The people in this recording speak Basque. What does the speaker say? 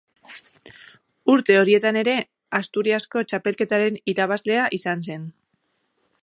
Urte horietan ere Asturiasko txapelketaren irabazlea izan zen.